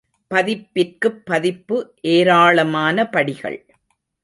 பதிப்பிற்குப் பதிப்பு ஏராளமான படிகள்.